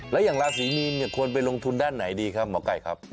แล้วอย่างราศีมีนควรไปลงทุนด้านไหนดีครับหมอไก่ครับ